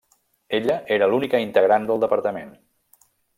Ella era l'única integrant del departament.